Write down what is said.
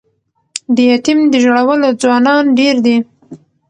د یتیم د ژړولو ځوانان ډیر دي